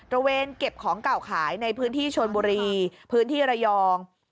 ระเวนเก็บของเก่าขายในพื้นที่ชนบุรีพื้นที่ระยอง